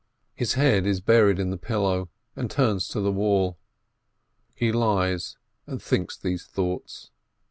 His head is buried in the pillow, and turns to the wall, he lies and thinks these thoughts.